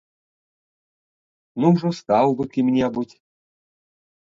Ну ўжо стаў бы кім-небудзь!